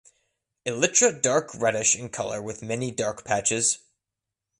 Elytra dark reddish in color with many dark patches.